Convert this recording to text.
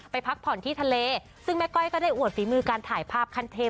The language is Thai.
พักผ่อนที่ทะเลซึ่งแม่ก้อยก็ได้อวดฝีมือการถ่ายภาพขั้นเทพ